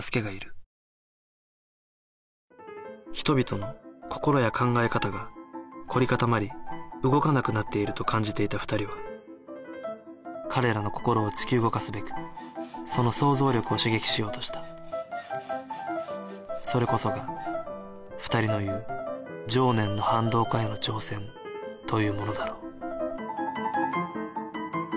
人々の心や考え方が凝り固まり動かなくなっていると感じていた２人は彼らの心を突き動かすべくその想像力を刺激しようとしたそれこそが２人の言う情念の反動化への挑戦というものだろう